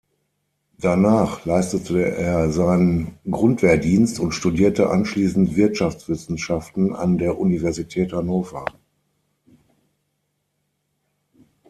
Danach leistete er seinen Grundwehrdienst und studierte anschließend Wirtschaftswissenschaften an der Universität Hannover.